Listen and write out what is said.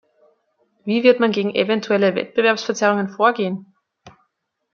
Wie wird man gegen eventuelle Wettbewerbsverzerrungen vorgehen?